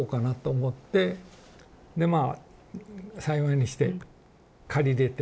でまあ幸いにして借りれて。